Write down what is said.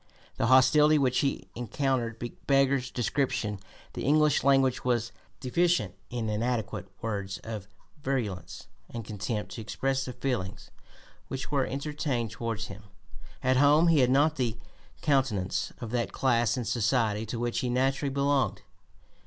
The hostility which he encountered beggars description; the English language was deficient in adequate words of virulence and contempt to express the feelings which were entertained towards him. At home he had not the countenance of that class in society to which he naturally belonged.